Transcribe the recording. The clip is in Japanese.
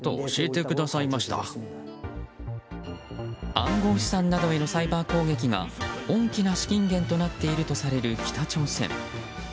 暗号資産などへのサイバー攻撃が大きな資金源となっているとされる北朝鮮。